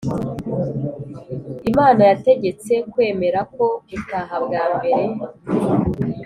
imana yategetse kwemerako gutaha bwambere